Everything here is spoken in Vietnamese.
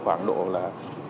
khoảng độ là